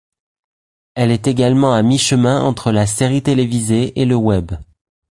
Elle est également à mi-chemin entre la série télévisée et le web.